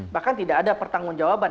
bahkan tidak ada pertanggung jawaban